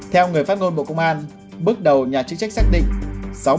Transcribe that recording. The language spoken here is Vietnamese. theo người phát ngôn bộ công an bước đầu nhà chức trách xác định